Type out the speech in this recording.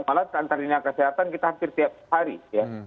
malah kantor dinas kesehatan kita hampir tiap hari ya